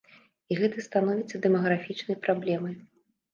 І гэта становіцца дэмаграфічнай праблемай.